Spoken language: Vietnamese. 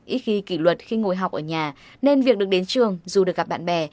ít khi kỷ luật khi ngồi học ở nhà nên việc được đến trường dù được gặp bạn bè